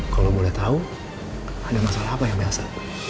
kalau lo boleh tahu ada masalah apa ya mbak elsa